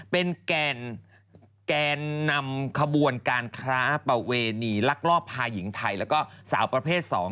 เป็นแกนนำขบวนการค้าประเวณีลักลอบพาหญิงไทยแล้วก็สาวประเภท๒